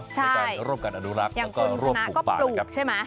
แล้วการรวบกันอดุลักษณ์แล้วก็รวบปลูกป่า